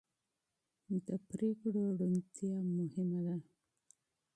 د پرېکړو روڼتیا مهمه ده